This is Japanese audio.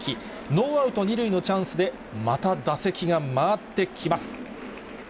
ノーアウト２塁のチャンスで、また打席が回ってきます。